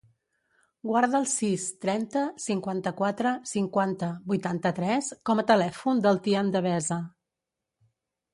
Guarda el sis, trenta, cinquanta-quatre, cinquanta, vuitanta-tres com a telèfon del Tian Devesa.